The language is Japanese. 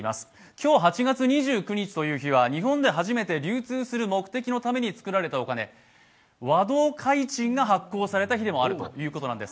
今日８月２９日という日は日本で初めて流通する目的のために作られたお金和同開珎が発行された日でもあるということなんです。